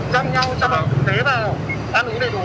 chăm nhau chăm vào chăm vào chăm vào